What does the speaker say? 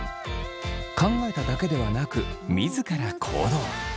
考えただけではなく自ら行動。